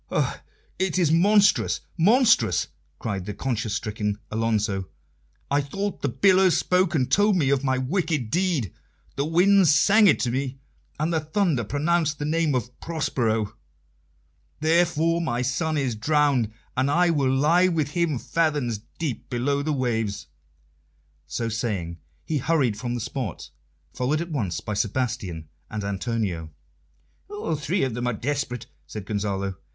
"Oh, it is monstrous, monstrous!" cried the conscience stricken Alonso. "I thought the billows spoke and told me of my wicked deed, the winds sang it to me, and the thunder pronounced the name of 'Prospero.' Therefore my son is drowned, and I will lie with him fathoms deep below the waves." So saying, he hurried from the spot, followed at once by Sebastian and Antonio. "All three of them are desperate," said Gonzalo.